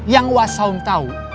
yang wasaung tahu